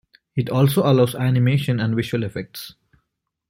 It also allows animation and visual effects.